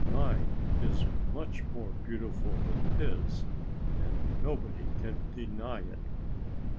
Mine is much more beautiful than his. And nobody can deny it."